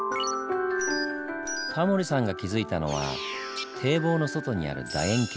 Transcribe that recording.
タモリさんが気付いたのは堤防の外にあるだ円形。